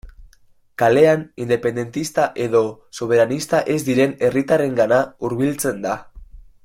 Kalean independentista edo soberanista ez diren herritarrengana hurbiltzen da.